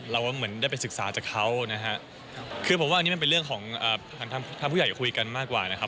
เหมือนได้ไปศึกษาจากเขานะฮะคือผมว่าอันนี้มันเป็นเรื่องของทางผู้ใหญ่คุยกันมากกว่านะครับ